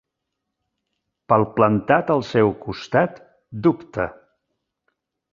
Palplantat al seu costat, dubta.